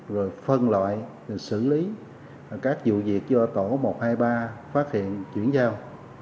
rồi phân loại xử lý các vụ việc do tổ một trăm hai mươi ba phát hiện chuyển giao